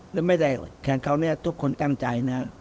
แล้วไม่ได้แข่งเขาเนี่ยทุกคนตั้งใจนะ